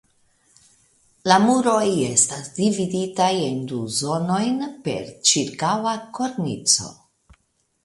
La muroj estas dividitaj en du zonojn per ĉirkaŭa kornico.